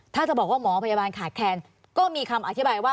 ถ้าจะบอกว่าหมอพยาบาลขาดแคนก็มีคำอธิบายว่า